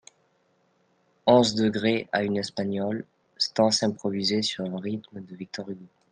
onzeº A une Espagnole, stances improvisées sur un rythme de Victor Hugo.